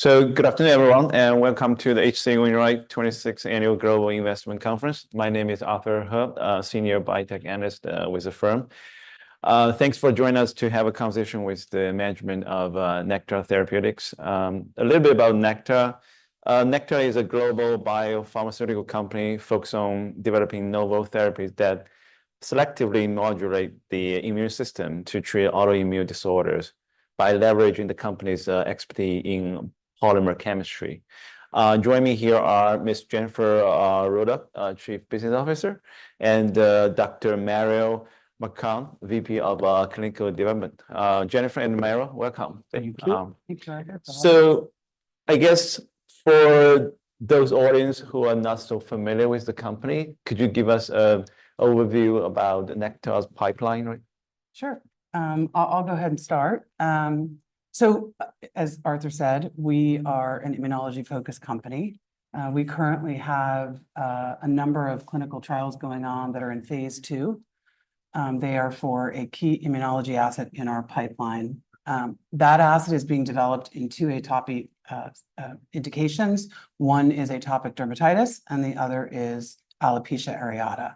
Good afternoon, everyone, and welcome to the H.C. Wainwright 26th Annual Global Investment Conference. My name is Arthur He, Senior Biotech Analyst with the firm. Thanks for joining us to have a conversation with the management of Nektar Therapeutics. A little bit about Nektar. Nektar is a global biopharmaceutical company focused on developing novel therapies that selectively modulate the immune system to treat autoimmune disorders by leveraging the company's expertise in polymer chemistry. Joining me here are Ms. Jennifer Ruddock, Chief Business Officer, and Dr. Mario Marcondes, VP of Clinical Development. Jennifer and Mario, welcome. Thank you. Thank you. Um- Thanks for having us. I guess for those in the audience who are not so familiar with the company, could you give us an overview about Nektar's pipeline? Sure. I'll go ahead and start. As Arthur said, we are an immunology-focused company. We currently have a number of clinical trials going on that are in phase II. They are for a key immunology asset in our pipeline. That asset is being developed in two atopic indications. One is atopic dermatitis, and the other is alopecia areata.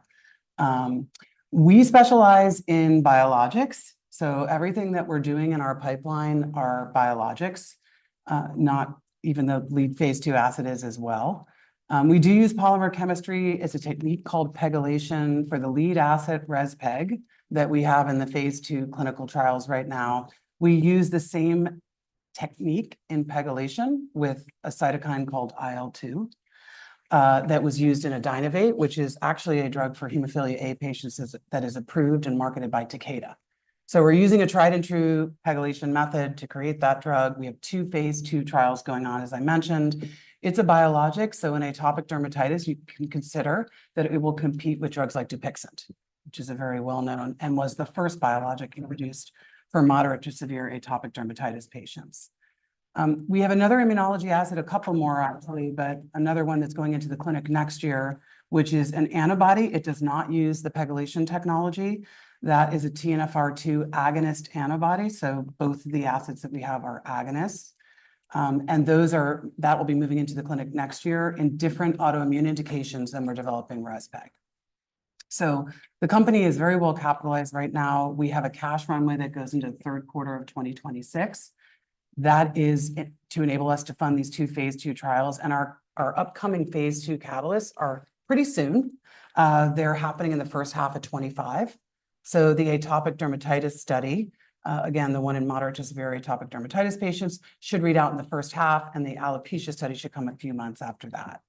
We specialize in biologics, so everything that we're doing in our pipeline are biologics, not even the lead phase II asset is as well. We do use polymer chemistry as a technique called PEGylation for the lead asset REZPEG that we have in the phase II clinical trials right now. We use the same technique in PEGylation with a cytokine called IL-2 that was used in ADYNOVATE, which is actually a drug for hemophilia A patients that is approved and marketed by Takeda, so we're using a tried-and-true PEGylation method to create that drug. We have two phase II trials going on, as I mentioned. It's a biologic, so in atopic dermatitis, you can consider that it will compete with drugs like Dupixent, which is a very well-known and was the first biologic introduced for moderate to severe atopic dermatitis patients. We have another immunology asset, a couple more actually, but another one that's going into the clinic next year, which is an antibody. It does not use the PEGylation technology. That is a TNFR2 agonist antibody, so both of the assets that we have are agonists. That will be moving into the clinic next year in different autoimmune indications than we're developing REZPEG. So the company is very well capitalized right now. We have a cash runway that goes into the Q3 of 2026. That is to enable us to fund these two phase II trials. And our upcoming phase II catalysts are pretty soon. They're happening in the H1 of 2025. So the atopic dermatitis study, again, the one in moderate to severe atopic dermatitis patients, should read out in the H1, and the alopecia study should come a few months after that.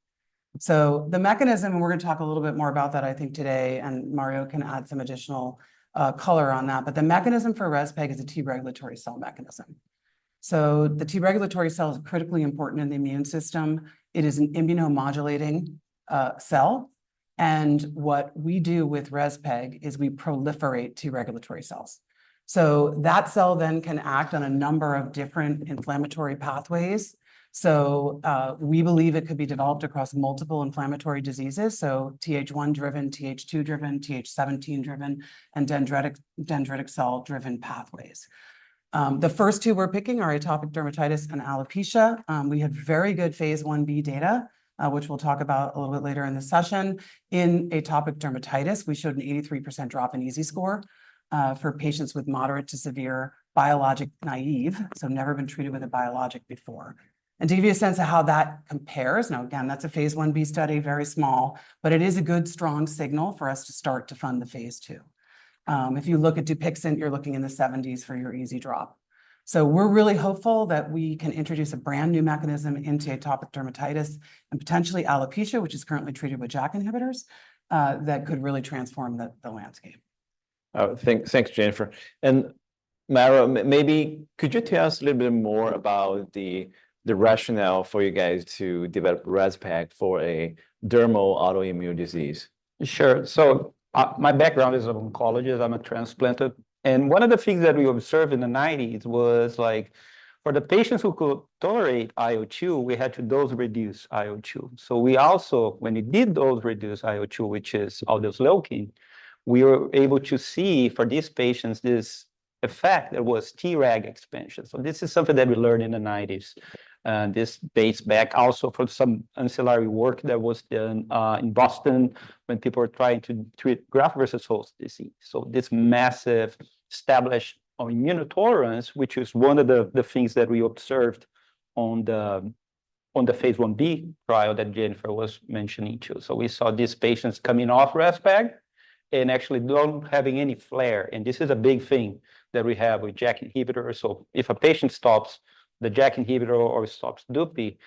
So the mechanism, and we're gonna talk a little bit more about that, I think, today, and Mario can add some additional color on that, but the mechanism for REZPEG is a T-regulatory cell mechanism. The T-regulatory cell is critically important in the immune system. It is an immunomodulating cell, and what we do with REZPEG is we proliferate T-regulatory cells. So that cell then can act on a number of different inflammatory pathways, so we believe it could be developed across multiple inflammatory diseases: so Th1-driven, Th2-driven, Th17-driven, and dendritic cell-driven pathways. The first two we're picking are atopic dermatitis and alopecia. We had very good phase Ib data, which we'll talk about a little bit later in the session. In atopic dermatitis, we showed an 83% drop in EASI score for patients with moderate to severe biologic-naive, so never been treated with a biologic before. To give you a sense of how that compares. Now, again, that's a phase Ib study, very small, but it is a good, strong signal for us to start to fund the phase II. If you look at Dupixent, you're looking in the seventies for your EASI drop. So we're really hopeful that we can introduce a brand-new mechanism into atopic dermatitis and potentially alopecia, which is currently treated with JAK inhibitors, that could really transform the landscape. Oh, thanks. Thanks, Jennifer. And Mario, maybe could you tell us a little bit more about the rationale for you guys to develop REZPEG for a dermal autoimmune disease? Sure. So, my background is an oncologist. I'm a transplanter, and one of the things that we observed in the 1990s was, like, for the patients who could tolerate IL-2, we had to dose-reduce IL-2. So we also, when we did dose-reduce IL-2, which is aldesleukin, we were able to see for these patients this effect that was Treg expansion. So this is something that we learned in the 1990s, this dates back also from some ancillary work that was done in Boston when people were trying to treat graft-versus-host disease. So this massive established immunotolerance, which is one of the things that we observed on the phase Ib trial that Jennifer was mentioning, too. We saw these patients coming off REZPEG and actually don't having any flare, and this is a big thing that we have with JAK inhibitor. If a patient stops the JAK inhibitor or stops Dupi,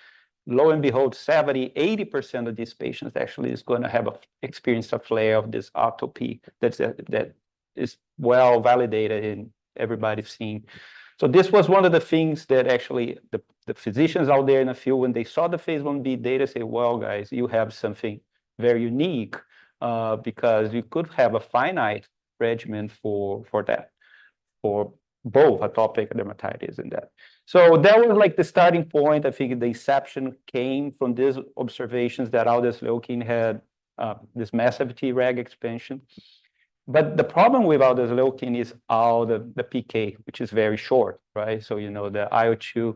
lo and behold, 70%-80% of these patients actually is going to experience a flare of this atopy that's, that is well-validated, and everybody's seen. This was one of the things that actually the physicians out there in the field, when they saw the phase Ib data, say, "Well, guys, you have something very unique, because you could have a finite regimen for, for that, for both atopic dermatitis and that." That was like the starting point. I think the inception came from these observations that aldesleukin had, this massive Treg expansion. But the problem with all those cytokines is all the, the PK, which is very short, right? So, you know, the IL-2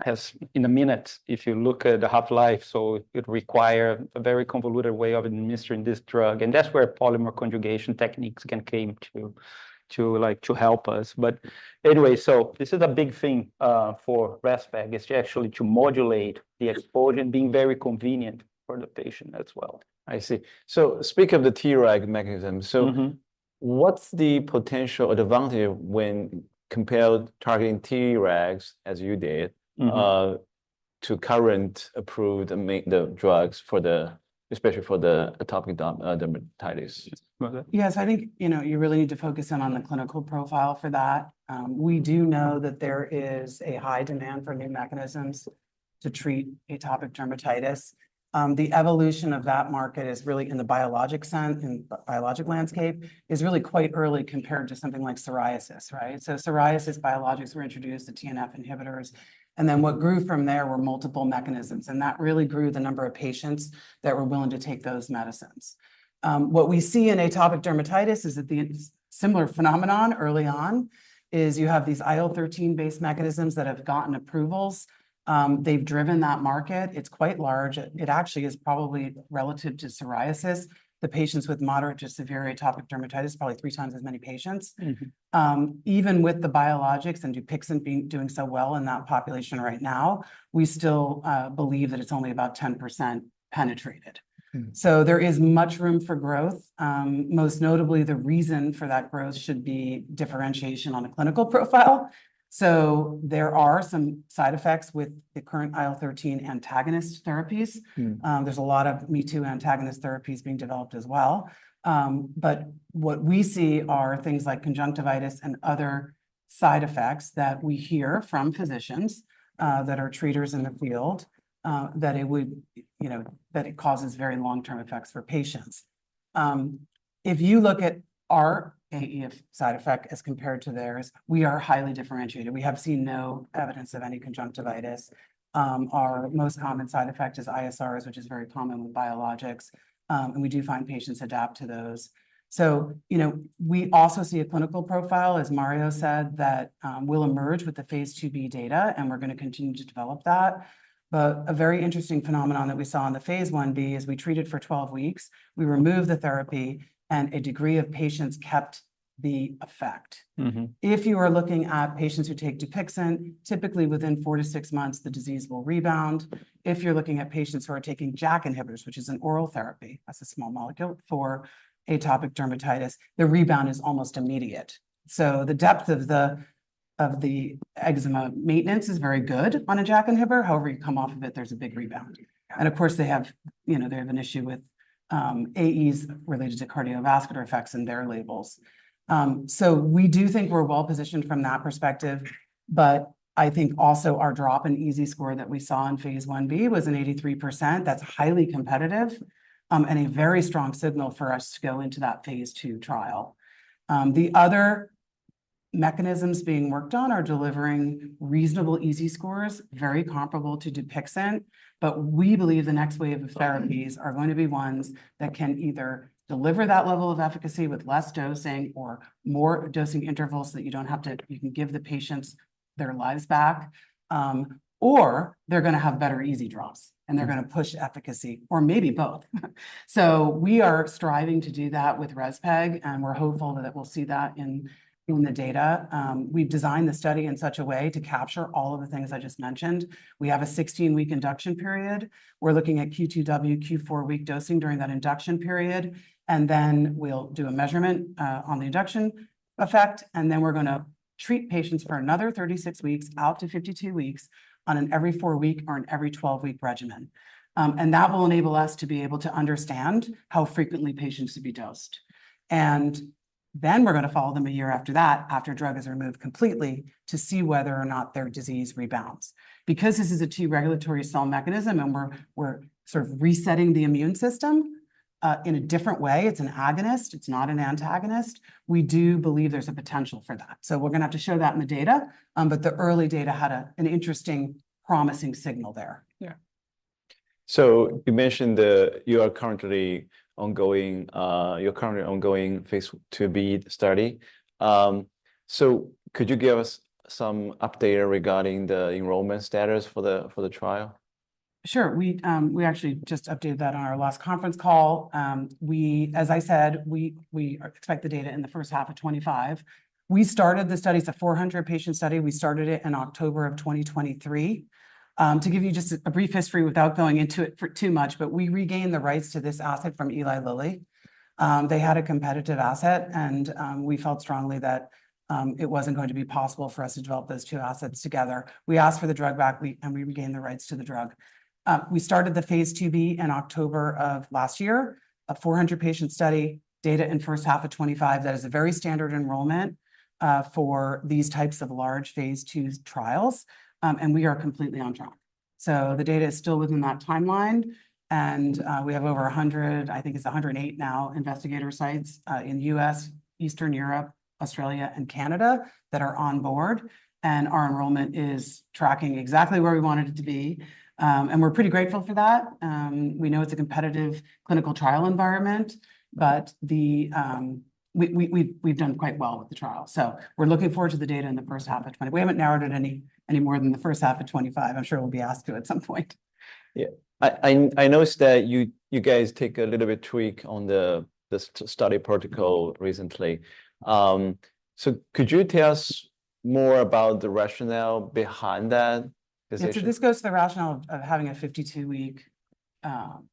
has a half-life in a minute, if you look at the half-life, so it would require a very convoluted way of administering this drug, and that's where polymer conjugation techniques can come to, to like, to help us. But anyway, so this is a big thing for rezpegaldesleukin to actually modulate the exposure and being very convenient for the patient as well. I see. So, speaking of the Treg mechanism. So what's the potential advantage when compared targeting Tregs, as you did to current approved the drugs for the, especially for the atopic dermatitis? Yes, I think, you know, you really need to focus in on the clinical profile for that. We do know that there is a high demand for new mechanisms to treat atopic dermatitis. The evolution of that market is really in the biologic sense, in the biologic landscape, is really quite early compared to something like psoriasis, right? So psoriasis biologics were introduced to TNF inhibitors, and then what grew from there were multiple mechanisms, and that really grew the number of patients that were willing to take those medicines. What we see in atopic dermatitis is that the similar phenomenon early on is you have these IL-13-based mechanisms that have gotten approvals. They've driven that market. It's quite large. It actually is probably relative to psoriasis. The patients with moderate to severe atopic dermatitis, probably three times as many patients. Even with the biologics and Dupixent being doing so well in that population right now, we still believe that it's only about 10% penetrated. So there is much room for growth. Most notably, the reason for that growth should be differentiation on a clinical profile. So there are some side effects with the current IL-13 antagonist therapies. There's a lot of me-too antagonist therapies being developed as well. But what we see are things like conjunctivitis and other side effects that we hear from physicians that are treaters in the field, that it would, you know, that it causes very long-term effects for patients. If you look at our AE side effect as compared to theirs, we are highly differentiated. We have seen no evidence of any conjunctivitis. Our most common side effect is ISRs, which is very common with biologics, and we do find patients adapt to those. You know, we also see a clinical profile, as Mario said, that will emerge with the phase IIb data, and we're going to continue to develop that. But a very interesting phenomenon that we saw in the phase Ib is we treated for twelve weeks, we removed the therapy, and a degree of patients kept the effect. If you are looking at patients who take Dupixent, typically within four to six months, the disease will rebound. If you're looking at patients who are taking JAK inhibitors, which is an oral therapy, that's a small molecule for atopic dermatitis, the rebound is almost immediate, so the depth of the eczema maintenance is very good on a JAK inhibitor. However, you come off of it, there's a big rebound, and of course, they have, you know, an issue with AEs related to cardiovascular effects in their labels, so we do think we're well-positioned from that perspective, but I think also our drop in EASI score that we saw in phase Ib was an 83%. That's highly competitive, and a very strong signal for us to go into that phase II trial. The other mechanisms being worked on are delivering reasonable EASI scores, very comparable to Dupixent, but we believe the next wave of therapies are going to be ones that can either deliver that level of efficacy with less dosing or more dosing intervals, so that you don't have to, you can give the patients their lives back, or they're gonna have better EASI drops, and they're gonna push efficacy, or maybe both. So we are striving to do that with REZPEG, and we're hopeful that we'll see that in the data. We've designed the study in such a way to capture all of the things I just mentioned. We have a sixteen-week induction period. We're looking at Q2W, four-week dosing during that induction period, and then we'll do a measurement on the induction effect, and then we're gonna treat patients for another thirty-six weeks out to fifty-two weeks on an every four-week or an every twelve-week regimen. And that will enable us to be able to understand how frequently patients should be dosed. And then we're going to follow them a year after that, after drug is removed completely, to see whether or not their disease rebounds. Because this is a T-regulatory cell mechanism, and we're sort of resetting the immune system in a different way. It's an agonist. It's not an antagonist. We do believe there's a potential for that. So we're going to have to show that in the data, but the early data had an interesting, promising signal there. Yeah. So you mentioned you're currently ongoing phase IIb study. So could you give us some update regarding the enrollment status for the trial? Sure. We actually just updated that on our last conference call. We, as I said, expect the data in the H1 of 2025. We started the study. It's a 400-patient study. We started it in October 2023. To give you just a brief history without going into it too much, but we regained the rights to this asset from Eli Lilly. They had a competitive asset, and we felt strongly that it wasn't going to be possible for us to develop those two assets together. We asked for the drug back, and we regained the rights to the drug. We started the phase IIb in October of last year, a 400 patient study, data in H1 of 2025. That is a very standard enrollment for these types of large phase II trials, and we are completely on track, so the data is still within that timeline, and we have over 100, I think it's 108 now, investigator sites in the U.S., Eastern Europe, Australia, and Canada that are on board, and our enrollment is tracking exactly where we want it to be, and we're pretty grateful for that. We know it's a competitive clinical trial environment, but we've done quite well with the trial, so we're looking forward to the data in the H1 of 2025. We haven't narrowed it any more than the H1 of 2025. I'm sure we'll be asked to at some point. Yeah. I noticed that you guys take a little bit tweak on the study protocol recently. So, could you tell us more about the rationale behind that decision? Yeah, so this goes to the rationale of having a 52-week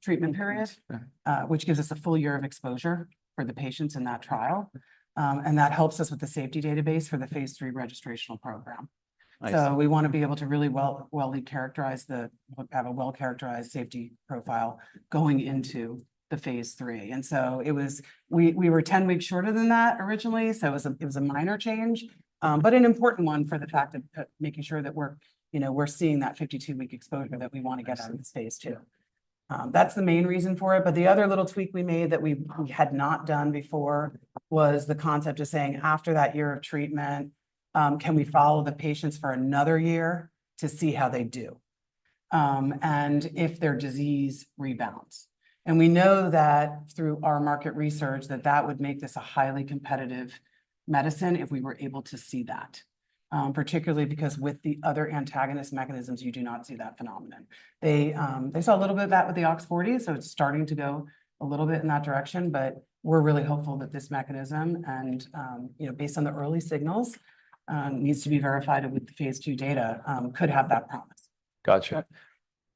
treatment period- Mm, yeah. which gives us a full year of exposure for the patients in that trial, and that helps us with the safety database for the phase III registrational program. I see. So we wanna be able to have a well-characterized safety profile going into the phase III. And so it was. We were 10 weeks shorter than that originally, so it was a minor change, but an important one for the fact that making sure that we're, you know, we're seeing that 52-week exposure that we wanna get- I see Out of the phase II. That's the main reason for it, but the other little tweak we made that we had not done before was the concept of saying, after that year of treatment, can we follow the patients for another year to see how they do, and if their disease rebounds? And we know that, through our market research, that that would make this a highly competitive medicine if we were able to see that. Particularly because with the other antagonist mechanisms, you do not see that phenomenon. They saw a little bit of that with the OX40, so it's starting to go a little bit in that direction, but we're really hopeful that this mechanism and, you know, based on the early signals, needs to be verified with the phase II data, could have that promise. Gotcha. Yeah.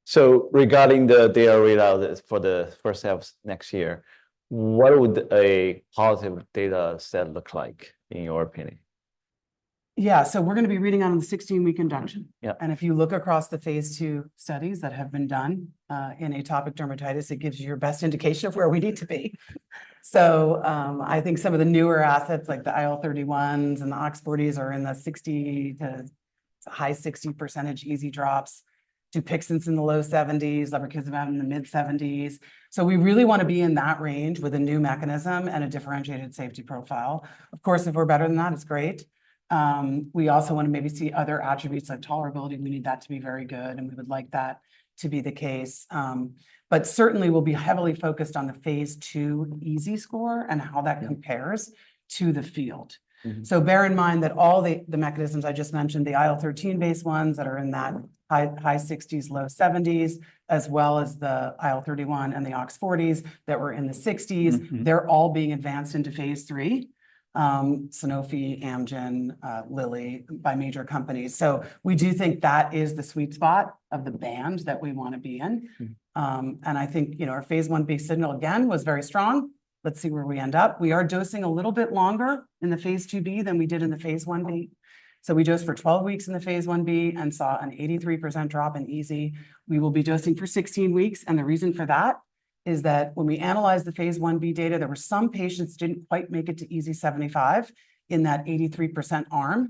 So regarding the data readout for the H1 of next year, what would a positive data set look like in your opinion? Yeah, so we're gonna be reading out on the 16-week induction. Yeah. And if you look across the phase II studies that have been done in atopic dermatitis, it gives you your best indication of where we need to be. So I think some of the newer assets, like the IL-31s and the OX40s, are in the 60 to high 60% EASI drops. Dupixent's in the low 70s, lebrikizumab in the mid-70s. So we really wanna be in that range with a new mechanism and a differentiated safety profile. Of course, if we're better than that, it's great. We also wanna maybe see other attributes, like tolerability. We need that to be very good, and we would like that to be the case. But certainly, we'll be heavily focused on the phase II EASI score and how that compares to the field. So bear in mind that all the mechanisms I just mentioned, the IL-13-based ones that are in that high 60s, low 70s, as well as the IL-31 and the OX40s that were in the 60s, they're all being advanced into phase III, Sanofi, Amgen, Lilly, by major companies. So we do think that is the sweet spot of the band that we wanna be in. And I think, you know, our phase Ia signal, again, was very strong. Let's see where we end up. We are dosing a little bit longer in the phase Ib than we did in the phase Ia. So we dosed for twelve weeks in the phase Ia and saw an 83% drop in EASI. We will be dosing for 16 weeks, and the reason for that is that when we analyzed the phase Ia data, there were some patients who didn't quite make it to EASI 75 in that 83% arm,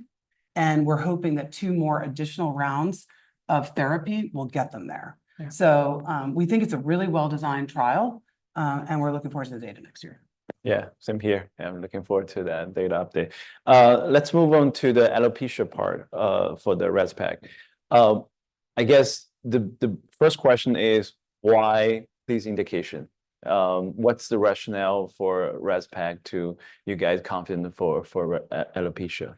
and we're hoping that two more additional rounds of therapy will get them there. Yeah. So, we think it's a really well-designed trial, and we're looking forward to the data next year. Yeah, same here. I'm looking forward to that data update. Let's move on to the alopecia part for the REZPEG. I guess the first question is, why this indication? What's the rationale for REZPEG to you guys confident for alopecia?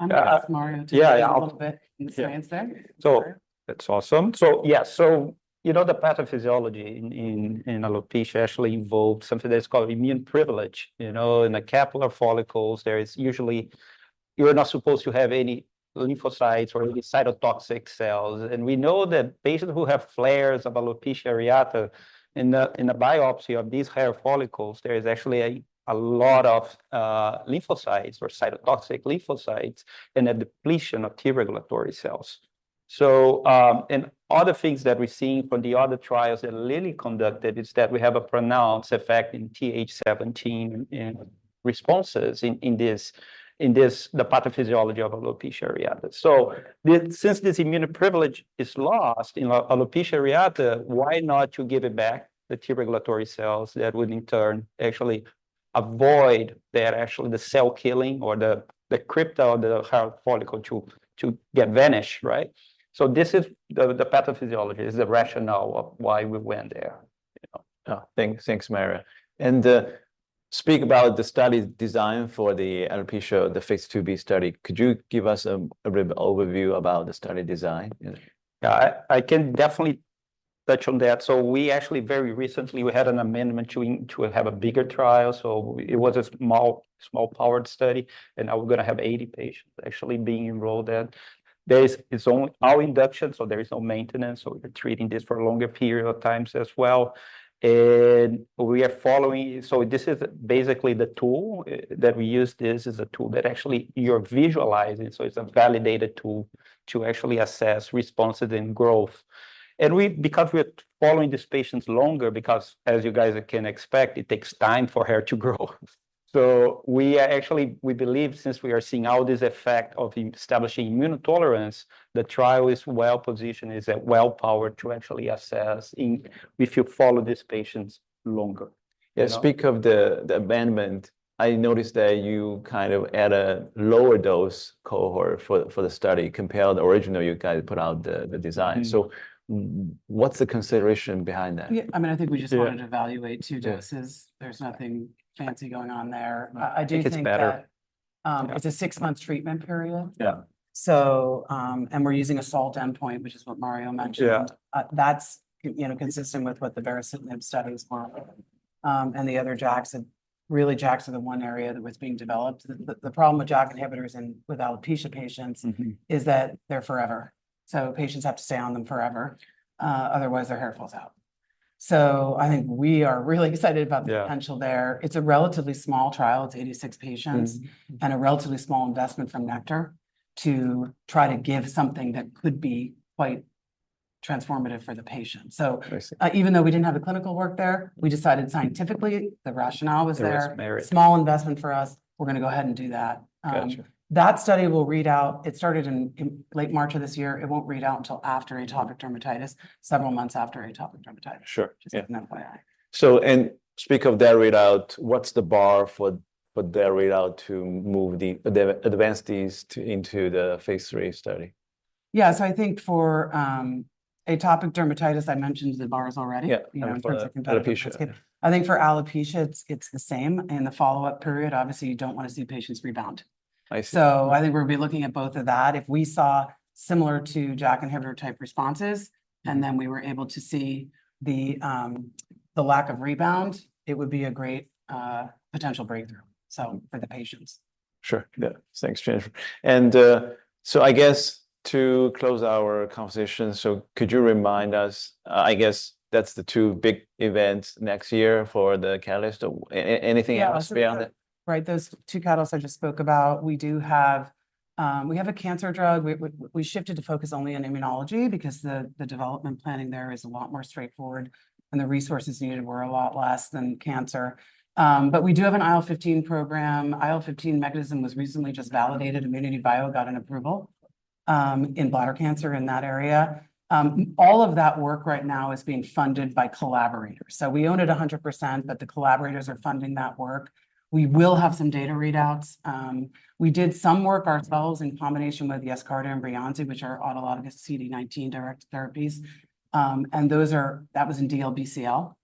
I'm gonna ask Mario- Yeah, yeah To jump in a little bit in the science there. So- That's awesome. So yeah, so you know, the pathophysiology in alopecia actually involves something that's called immune privilege. You know, in the hair follicles, there is usually. You're not supposed to have any lymphocytes or any cytotoxic cells, and we know that patients who have flares of alopecia areata, in the biopsy of these hair follicles, there is actually a lot of lymphocytes or cytotoxic lymphocytes and a depletion of T-regulatory cells. So, and other things that we're seeing from the other trials that Lilly conducted is that we have a pronounced effect in Th17 responses in this the pathophysiology of alopecia areata. So, since this immune privilege is lost in alopecia areata, why not to give it back the T-regulatory cells that would in turn actually avoid that actually the cell killing or the crypt or the hair follicle to get vanished, right? So this is the pathophysiology, is the rationale of why we went there. Yeah. Thanks. Thanks, Mario. And speak about the study design for the alopecia, the phase IIb study. Could you give us a brief overview about the study design? Yeah. I can definitely touch on that. So we actually, very recently, we had an amendment to have a bigger trial. So it was a small-powered study, and now we're gonna have 80 patients actually being enrolled in. It's an all induction, so there is no maintenance, so we're treating this for a longer period of time as well. And we are following. So this is basically the tool that we use. This is a tool that actually you're visualizing, so it's a validated tool to actually assess responses and growth. And we, because we're following these patients longer, because, as you guys can expect, it takes time for hair to grow. So we are actually, we believe, since we are seeing all this effect of establishing immunotolerance, the trial is well-positioned, is well-powered to actually assess if you follow these patients longer. Yeah, speaking of the amendment, I noticed that you kind of add a lower dose cohort for the study compared to the original you kind of put out, the design. So what's the consideration behind that? Yeah, I mean, I think we just- Yeah Wanted to evaluate two doses. There's nothing fancy going on there. I do think that- It's better It's a six-month treatment period. Yeah. We're using a SALT endpoint, which is what Mario mentioned. Yeah. That's, you know, consistent with what the baricitinib studies were. And the other JAKs, and really, JAKs are the one area that was being developed. The problem with JAK inhibitors in with alopecia patients is that they're forever. So patients have to stay on them forever,. Otherwise, their hair falls out. So I think we are really excited about- Yeah The potential there. It's a relatively small trial. It's 86 patients. And a relatively small investment from Nektar to try to give something that could be quite transformative for the patient. So- I see Even though we didn't have the clinical work there, we decided scientifically the rationale was there. There was merit. Small investment for us, we're gonna go ahead and do that. Gotcha. That study will read out. It started in late March of this year. It won't read out until after atopic dermatitis, several months after atopic dermatitis. Sure. Yeah. Just an FYI. Speaking of that readout, what's the bar for their readout to advance these into the phase III study? Yeah, so I think for atopic dermatitis, I mentioned the bars already- Yeah You know, in terms of competitive- Alopecia. I think for alopecia, it's the same, and the follow-up period, obviously, you don't want to see patients rebound. I see. So I think we'll be looking at both of that. If we saw similar to JAK inhibitor type responses, and then we were able to see the lack of rebound, it would be a great potential breakthrough, so for the patients. Sure, yeah. Thanks, Jennifer. And, so I guess to close our conversation, so could you remind us, I guess, that's the two big events next year for the catalyst. Anything else beyond it? Yeah, right, those two catalysts I just spoke about, we do have, we have a cancer drug. We shifted to focus only on immunology because the development planning there is a lot more straightforward, and the resources needed were a lot less than cancer. But we do have an IL-15 program. IL-15 mechanism was recently just validated. ImmunityBio got an approval in bladder cancer in that area. All of that work right now is being funded by collaborators. So we own it 100%, but the collaborators are funding that work. We will have some data readouts. We did some work ourselves in combination with Yescarta and Breyanzi, which are autologous CD19-directed therapies. Those are, that was in DLBCL.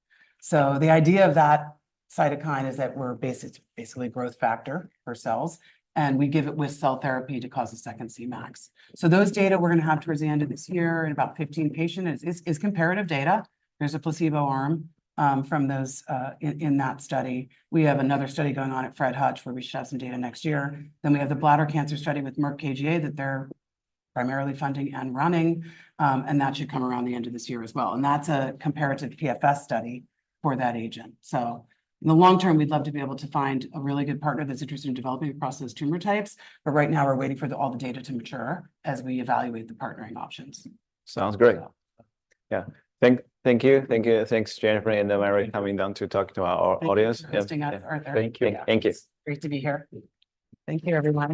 The idea of that cytokine is that we're basically a growth factor for cells, and we give it with cell therapy to cause a second Cmax. Those data we're gonna have towards the end of this year, in about 15 patients, is comparative data. There's a placebo arm from those in that study. We have another study going on at Fred Hutch, where we should have some data next year. Then we have the bladder cancer study with Merck KGaA, that they're primarily funding and running, and that should come around the end of this year as well, and that's a comparative PFS study for that agent. In the long term, we'd love to be able to find a really good partner that's interested in developing across those tumor types. But right now, we're waiting for all the data to mature as we evaluate the partnering options. Sounds great. Yeah. Thank you. Thanks, Jennifer, and Mario, coming down to talk to our audience. Thank you for hosting us, Arthur. Thank you. Thank you. Great to be here. Thank you, everyone.